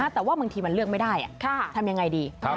แต่ว่าบางทีมันเลือกไม่ได้ทำยังไงดี